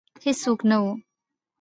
هیڅوک نه وه